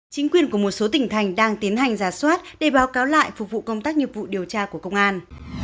chính quyền của một số tỉnh thành đang tiến hành giả soát để báo cáo lại phục vụ công tác nghiệp vụ điều tra của công an